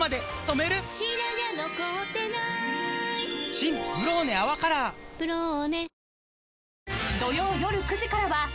新「ブローネ泡カラー」「ブローネ」